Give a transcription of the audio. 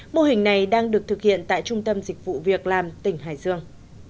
mô hình này đang được thực hiện tại trung tâm dịch vụ việc làm tỉnh hải dương